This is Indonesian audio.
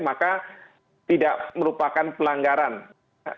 maka tidak merupakan pelanggaran terhadap yang terjadi